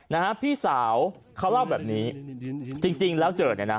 นะฮะพี่สาวเขาเล่าแบบนี้จริงจริงแล้วเจอเนี่ยนะ